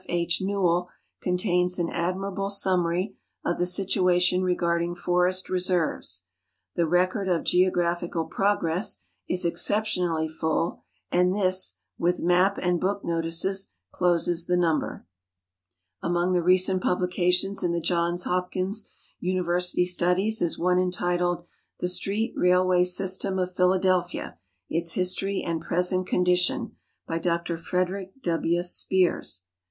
H. Newell contains an ad mirable summary of the situation regarding forest reserves. The " Rec ord of Geographical Progress" is exceptionally full, and this, with Map and Book Notices, closes the number. NATIONAL GEOGRAPHIC SOCIKTY i:,c) Among the recent puI)licationf) in the Johns Hopkins University Studies is one entitled "The Street Railway System of I'hiladel|)iiia, its History and Present Condition," hy Dr Frederic W. Speirs.